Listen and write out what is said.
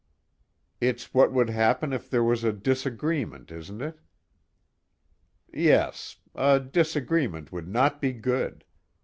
"It's what would happen if there was a disagreement, isn't it?" "Yes. A disagreement would not be good.